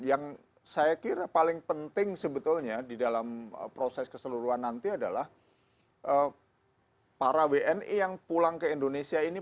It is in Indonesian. yang saya kira paling penting sebetulnya di dalam proses keseluruhan nanti adalah para wni yang pulang ke indonesia ini